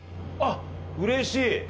うれしい！